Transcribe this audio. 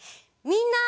みんな。